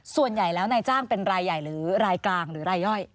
ส่วนใหญ่แล้วนายจ้างเป็นรายใหญ่หรือรายกลางหรือรายย่อย